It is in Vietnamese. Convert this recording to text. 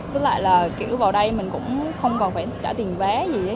với lại là kiểu vào đây mình cũng không còn phải trả tiền vé gì hết